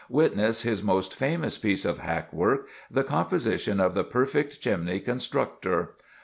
Witness his most famous piece of hack work, the composition of "The Perfect Chimney Constructor."